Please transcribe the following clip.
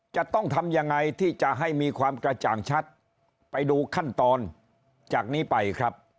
จะต้องทำยังไงที่จะให้มีความกระจ่างชัดไปดูขั้นตอนจากนี้ไปครับ